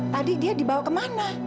tadi dia dibawa kemana